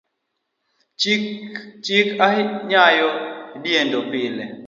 Chik chik nya diendo pile